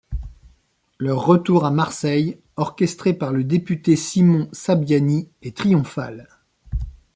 Leur retour à Marseille, orchestré par le député Simon Sabiani, est triomphal.